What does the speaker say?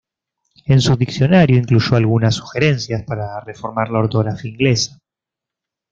En su diccionario incluyó algunas sugerencias para reformar la ortografía inglesa.